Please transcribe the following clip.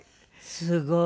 すごい。